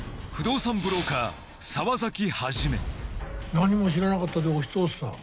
何も知らなかったで押し通すさ。